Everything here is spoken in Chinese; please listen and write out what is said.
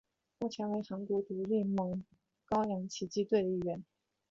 目前为韩国独立联盟高阳奇迹队一员。